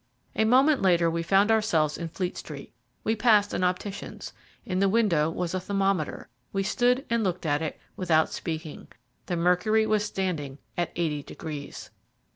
A moment later we found ourselves in Fleet Street. We passed an optician's in the window was a thermometer. We stood and looked at it without speaking. The mercury was standing at eighty degrees.